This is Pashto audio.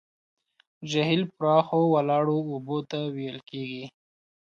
جهیل پراخو ولاړو اوبو ته ویل کیږي.